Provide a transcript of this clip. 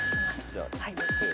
じゃあ。